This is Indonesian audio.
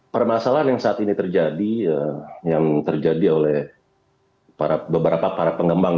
permasalahan yang saat ini terjadi yang terjadi oleh beberapa para pengembang